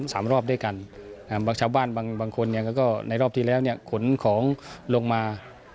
สามรอบด้วยกันอ่าบางชาวบ้านบางบางคนเนี่ยก็ในรอบที่แล้วเนี่ยขนของลงมา